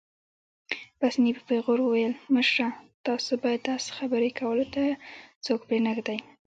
پاسیني په پېغور وویل: مشره، تاسو باید داسې خبرې کولو ته څوک پرېنږدئ.